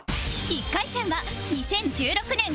１回戦は２０１６年９月